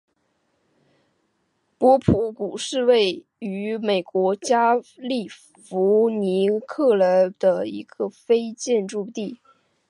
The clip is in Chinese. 波普谷是位于美国加利福尼亚州纳帕县的一个非建制地区。